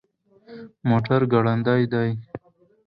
موټر ګړندی دی